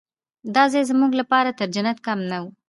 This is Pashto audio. دا ځای زموږ لپاره تر جنت کم نه و.